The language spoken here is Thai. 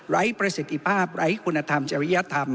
ประสิทธิภาพไร้คุณธรรมจริยธรรม